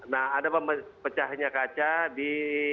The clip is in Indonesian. nah ada pecahnya kaca di